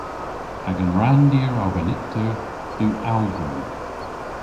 Agan ranndir arbennikter yw awgwrym.